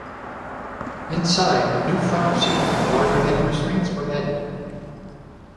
Inside, new front seats with larger head restraints were added.